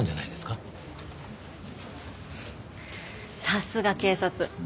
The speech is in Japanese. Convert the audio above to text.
さすが警察。